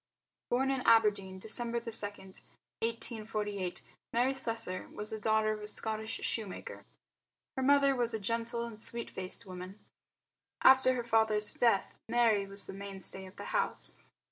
Born in Aberdeen, December 2, 1848, Mary Slessor was the daughter of a Scottish shoemaker. Her mother was a gentle and sweet faced woman. After her father's death Mary was the mainstay of the home.